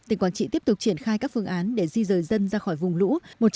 tỉnh quảng trị tiếp tục triển khai các phương án để di rời dân ra khỏi vùng lũ